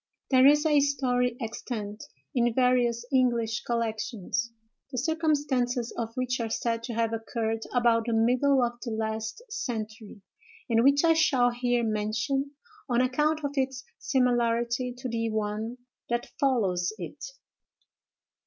There is a story extant in various English collections, the circumstances of which are said to have occurred about the middle of the last century, and which I shall here mention, on account of its similarity to the one that follows it.